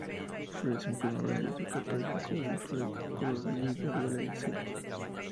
Florece en primavera; su copa se cubre de flores de color lila-violácea.